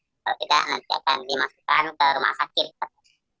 kalau tidak nanti akan dimasukkan ke rumah sakit